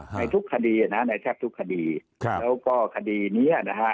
ในทุกคดีนะในแทบทุกคดีครับแล้วก็คดีเนี้ยนะฮะ